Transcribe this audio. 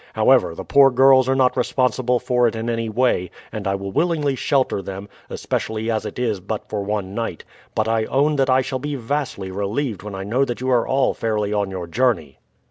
However, the poor girls are not responsible for it in any way, and I will willingly shelter them, especially as it is but for one night; but I own that I shall be vastly relieved when I know that you are all fairly on your journey."